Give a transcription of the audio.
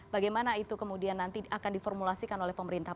bagaimana itu kemudian nanti akan diformulasikan oleh pemerintah